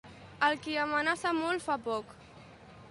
El qui amenaça molt fa poc.